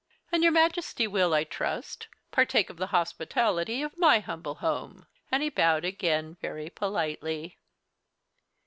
And your Majesty will, I trust, partake of the hospitality of my humble home." And he bowed again, very politely.